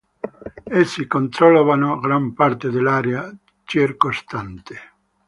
Essi controllavano gran parte dell'area circostante.